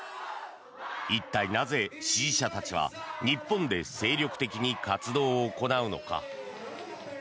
一体なぜ支持者たちは日本で精力的に活動を行うのか。